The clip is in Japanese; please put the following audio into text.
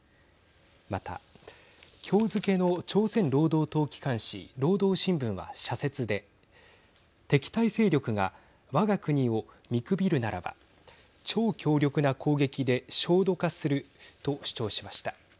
また、今日付けの朝鮮労働党機関紙労働新聞は社説で敵対勢力がわが国を見くびるならば超強力な攻撃で焦土化すると主張しました。